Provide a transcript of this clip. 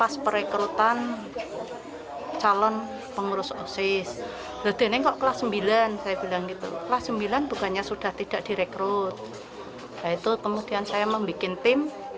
di luar jam sekolah dan saat sekolah dalam kondisi sepi